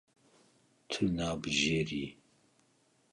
Tu nabijêrî.